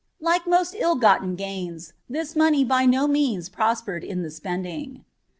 Like most ill gotlen gains, this mouey bj no means prospered in the spending.